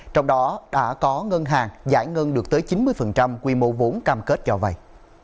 trong đó đã có ngân hàng giải ngân được tới chín mươi quy mô vốn cam kết cho vay